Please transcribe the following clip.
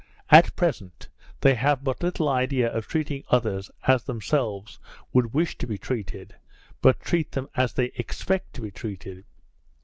At present, they have but little idea of treating others as themselves would wish to be treated, but treat them as they expect to be treated.